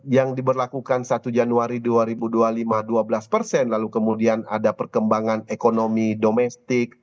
yang diberlakukan satu januari dua ribu dua puluh lima dua belas persen lalu kemudian ada perkembangan ekonomi domestik